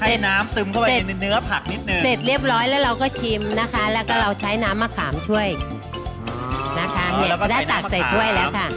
ให้น้ำซึมเข้าไปในเนื้อผักนิดนึงเสร็จเรียบร้อยแล้วเราก็ชิมนะคะแล้วก็เราใช้น้ำมะขามช่วยนะคะเนี่ยก็ได้ตักใส่ถ้วยแล้วค่ะ